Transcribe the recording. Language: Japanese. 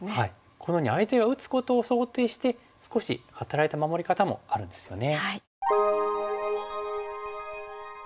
このように相手が打つことを想定して少し働いた守り方もあるんですよね。